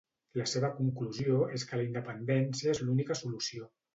La seva conclusió és que la independència és l'única solució.